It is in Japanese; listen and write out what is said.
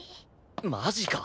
マジか。